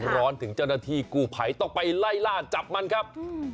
ร้อนถึงเจ้าหน้าที่กู้ภัยต้องไปไล่ล่าจับมันครับ